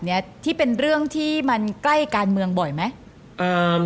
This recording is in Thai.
เกี่ยวกับนี้ที่มันใกล้การเมืองบ่อยไหม